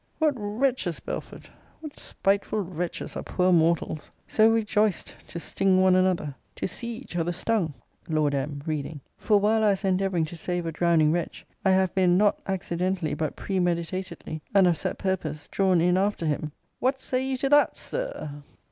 What wretches, Belford, what spiteful wretches, are poor mortals! So rejoiced to sting one another! to see each other stung! Lord M. [Reading.] 'For while I was endeavouring to save a drowning wretch, I have been, not accidentally, but premeditatedly, and of set purpose, drawn in after him.' What say you to that, Sir r?